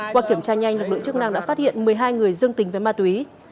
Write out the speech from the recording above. qua kiểm tra nhanh lực lượng chức năng đã phát hiện một mươi hai người dương tính với ma túy